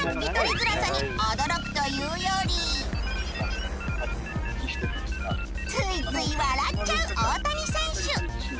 づらさに驚くというよりついつい笑っちゃう大谷選手